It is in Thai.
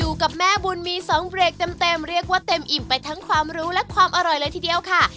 อยู่กับแม่บุญมีสองเบรกเต็มเรียกว่าเต็มอิ่มไปทั้งความรู้และความอร่อยเลยทีเดียวค่ะ